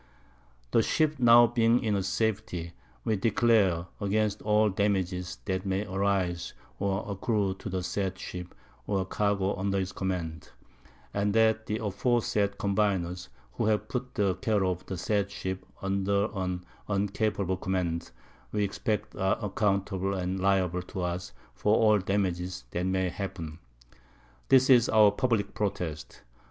The Ship now being in safety, we declare against all Damages that may arise or accrue to the said Ship, or Cargo under his Command; and that the aforesaid Combiners, who have put the Care of the said Ship under an uncapable Command, we expect are accountable and liable to us for all Damages that may happen. This is our publick Protest.